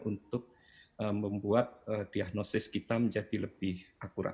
untuk membuat diagnosis kita menjadi lebih akurat